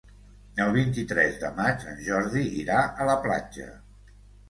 El vint-i-tres de maig en Jordi irà a la platja.